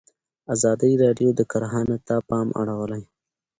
ازادي راډیو د کرهنه ته پام اړولی.